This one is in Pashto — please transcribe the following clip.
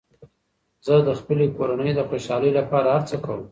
زه د خپلې کورنۍ د خوشحالۍ لپاره هر څه کوم.